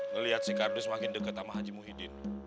ngelihat si kardus makin deket sama haji muhyiddin